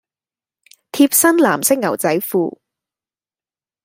貼身藍色牛仔褲